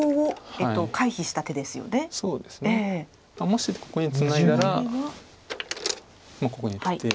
もしここにツナいだらここにきて。